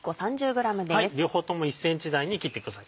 両方とも１ｃｍ大に切ってください。